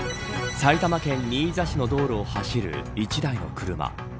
埼玉県新座市の道路を走る１台の車。